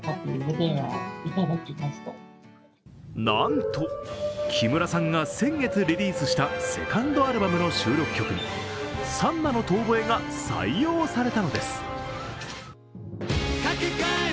なんと木村さんが先月リリースしたセカンドアルバムの収録曲にサンナの遠ぼえが採用されたのです。